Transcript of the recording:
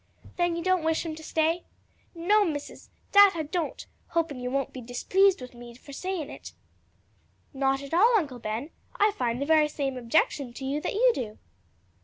"Then you don't wish him to stay?" "No, Missus, dat I don't! hopin' you won't be displeased wid me for sayin' it." "Not at all, Uncle Ben: I find the very same objection to him that you do."